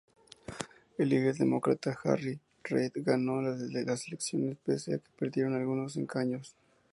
El líder Demócrata Harry Reid ganó las elecciones pese a que perdieron algunos escaños.